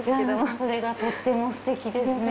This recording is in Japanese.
それがとっても素敵ですね。